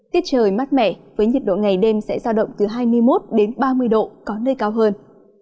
tiết trời mát mẻ với nhiệt độ ngày đêm sẽ giao động từ hai mươi một đến ba mươi độ có nơi cao hơn